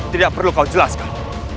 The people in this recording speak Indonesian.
tidak perlu kau jelaskan